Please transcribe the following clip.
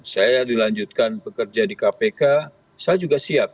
saya dilanjutkan bekerja di kpk saya juga siap